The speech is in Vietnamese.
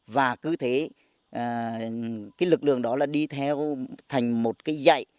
và cứ thế cái lực lượng đó là đi theo thành một cái dạy